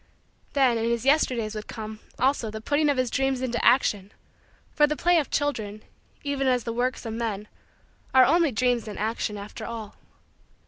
Then in his Yesterdays would come, also, the putting of his dreams into action, for the play of children, even as the works of men, are only dreams in action after all.